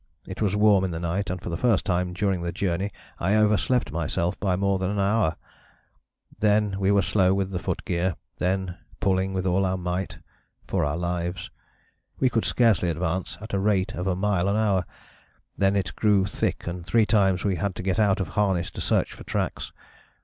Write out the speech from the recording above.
It was warm in the night and for the first time during the journey I overslept myself by more than an hour; then we were slow with foot gear; then, pulling with all our might (for our lives) we could scarcely advance at rate of a mile an hour; then it grew thick and three times we had to get out of harness to search for tracks.